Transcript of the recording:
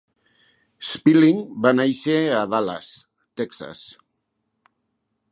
Spelling va néixer a Dallas, Texas.